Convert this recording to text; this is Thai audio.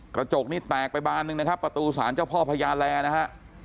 กระจกนี้แตกไปบานหนึ่งนะครับประตูศาลเจ้าพ่อพญาแลนะฮะ